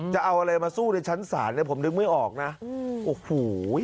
จะเอาอะไรมาสู้ในชั้นศาลเนี่ยผมนึกไม่ออกนะโอ้โห